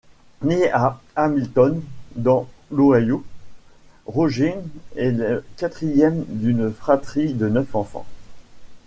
Né à Hamilton, dans l'Ohio, Roger est le quatrième d'une fratrie de neuf enfants.